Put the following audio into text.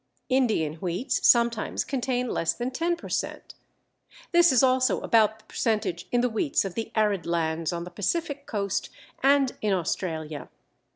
Indian wheats sometimes contain less than 10 per cent. This is also about the percentage in the wheats of the arid lands on the Pacific coast and in Australia.